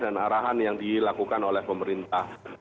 dan arahan yang dilakukan oleh pemerintah